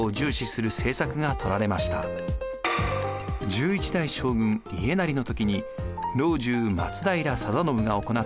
１１代将軍・家斉の時に老中・松平定信が行った寛政の改革。